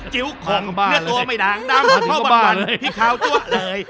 จิ้วของเนื้อตัวไม่ดางดำภาพบางวันพี่ขาวจัวเลย